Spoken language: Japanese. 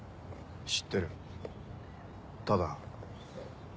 知ってるただ。